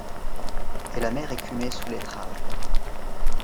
et la mer écumait sous l’étrave.